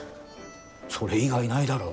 それ以外ないだろ。